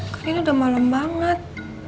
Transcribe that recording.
kan ini udah malam banget